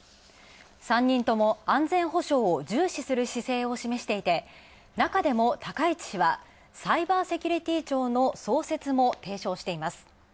３人とも安全保障を重視する姿勢を示していて、なかでも高市氏はサイバーセキュリティー庁の創設も提唱しています。